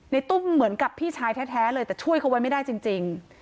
ตุ้มเหมือนกับพี่ชายแท้เลยแต่ช่วยเขาไว้ไม่ได้จริง